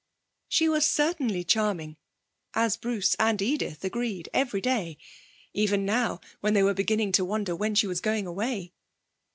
She was certainly charming, as Bruce and Edith agreed every day (even now, when they were beginning to wonder when she was going away!).